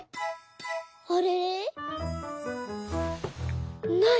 「あれれ！ない！